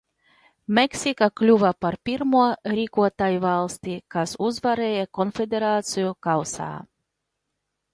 Meksika kļuva par pirmo rīkotājvalsti, kas uzvarēja Konfederāciju kausā.